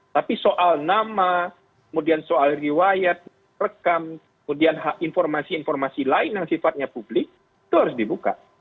tapi soal nama kemudian soal riwayat rekam kemudian informasi informasi lain yang sifatnya publik itu harus dibuka